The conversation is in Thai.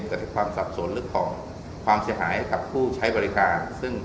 แต่ความสับสนหรือความเสียหายกับผู้ใช้บริการ